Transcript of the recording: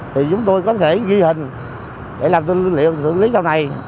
thì chúng tôi có thể ghi hình để làm tư liệu xử lý sau này